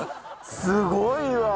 すごいわ！